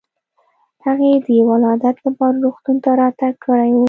هغې د ولادت لپاره روغتون ته راتګ کړی و.